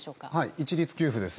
一律給付です。